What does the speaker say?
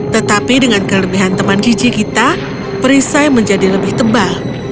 tetapi dengan kelebihan teman giji kita perisai menjadi lebih tebal